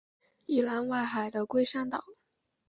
宜兰外海的龟山岛